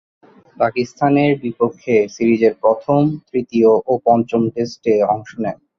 পাকিস্তানের বিপক্ষে সিরিজের প্রথম, তৃতীয় ও পঞ্চম টেস্টে অংশ নেন।